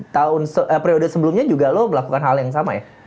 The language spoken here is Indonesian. tahun periode sebelumnya juga lo melakukan hal yang sama ya